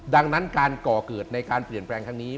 ดังนั้นการก่อเกิดในการเปลี่ยนแปลงครั้งนี้